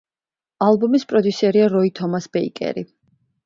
ალბომის პროდიუსერია როი თომას ბეიკერი.